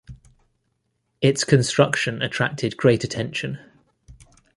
Its construction attracted great attention.